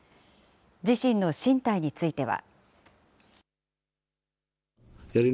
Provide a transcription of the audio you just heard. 自身の進退については。